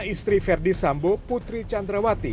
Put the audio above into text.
istri verdi sambo putri candrawati